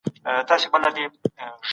همدغو منابعو د هېواد سره لویه مرسته وکړه.